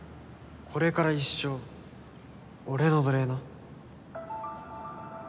これから一生俺の奴隷な。